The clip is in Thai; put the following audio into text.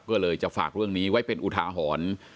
ก็เลยจะฝากเรื่องนี้ไว้เป็นอุทาหรณ์